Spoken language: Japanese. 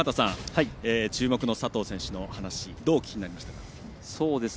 注目の佐藤選手の話どうお聞きになりましたか？